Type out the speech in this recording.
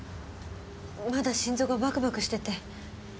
まだ心臓がバクバクしてて。